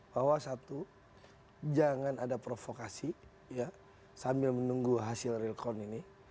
bahwa satu jangan ada provokasi sambil menunggu hasil real count ini